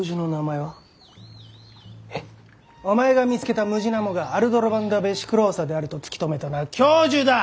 お前が見つけたムジナモがアルドロヴァンダ・ヴェシクローサであると突き止めたのは教授だ！